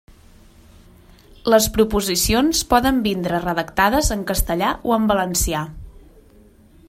Les proposicions poden vindre redactades en castellà o en valencià.